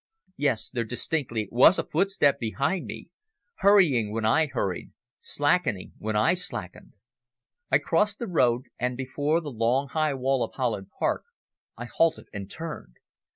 Yes, there distinctly was a footstep behind me, hurrying when I hurried, slackening when I slackened. I crossed the road, and, before the long high wall of Holland Park I halted and turned.